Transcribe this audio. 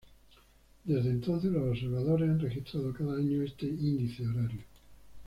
Desde entonces, los observadores han registrado cada año este índice horario.